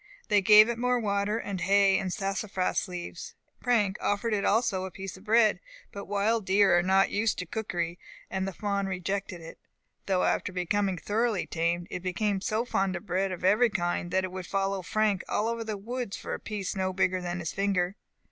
They gave it more water, hay and sassafras leaves. Frank offered it also a piece of bread; but wild deer are not used to cookery, and the fawn rejected it; though, after becoming thoroughly tamed, it became so fond of bread of every kind, that it would follow Frank all over the woods for a piece no bigger than his finger.